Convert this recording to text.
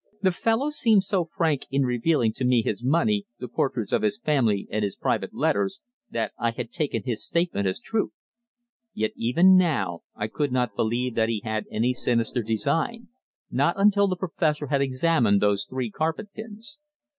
The fellow seemed so frank in revealing to me his money, the portraits of his family, and his private letters, that I had taken his statement as the truth. Yet, even now, I could not believe that he had any sinister design not until the Professor had examined those three carpet pins.